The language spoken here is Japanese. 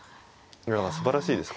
すばらしいです